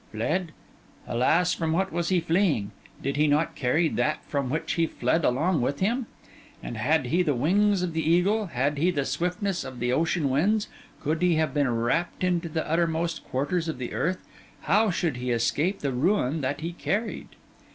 Fled? Alas, from what was he fleeing? Did he not carry that from which he fled along with him? and had he the wings of the eagle, had he the swiftness of the ocean winds, could he have been rapt into the uttermost quarters of the earth, how should he escape the ruin that he carried?